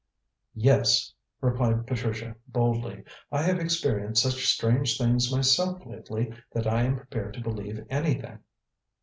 "Yes," replied Patricia boldly. "I have experienced such strange things myself lately that I am prepared to believe anything."